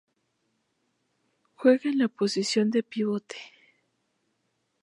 Juega en la posición de pivote.